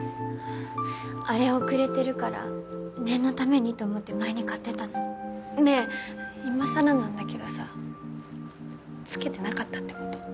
アレ遅れてるから念のためにと思って前に買ってたのねえ今さらなんだけどさつけてなかったってこと？